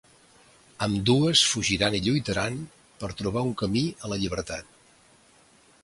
Ambdues fugiran i lluitaran per trobar un camí a la llibertat.